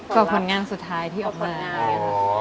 ก็ผลงานสุดท้ายที่ออกมาค่ะ